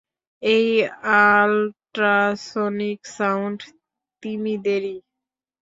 এই ultrasonic sound তিমিদেরই!